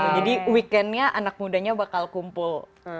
jadi weekendnya anak mudanya bakal kumpul